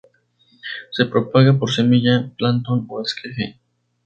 Se propaga por semilla, plantón o esqueje.